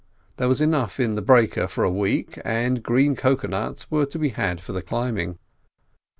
There was enough in the breaker for a week, and green "cuca nuts" were to be had for the climbing.